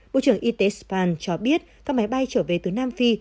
bộ trưởng y tế span cho biết các máy bay trở về từ nam phi